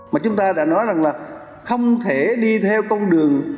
mà chúng ta đã nói rằng là không thể đi theo con đường